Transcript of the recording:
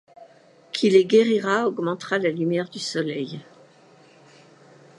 Qui les guérira augmentera la lumière du soleil.